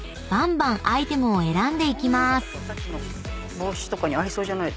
帽子とかに合いそうじゃない？